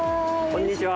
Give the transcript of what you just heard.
こんにちは。